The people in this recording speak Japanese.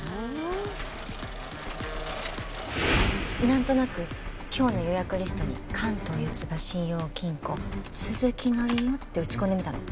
なんとなく今日の予約リストに「関東よつば信用金庫鈴木則男」って打ち込んでみたの。